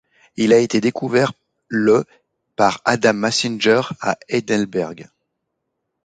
Il a été découvert le par Adam Massinger à Heidelberg.